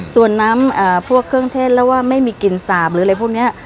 ส่วนน้ำพวกเครื่องเทศแล้วว่าไม่มีกลิ่นสาบหรืออะไรพวกนี้